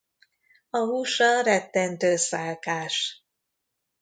A húsa rettentő szálkás.